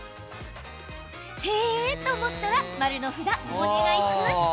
へえと思ったら○の札、お願いします。